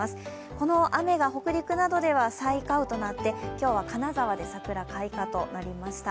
この雨が北陸などでは催花雨となって今日は金沢で桜開花となりました。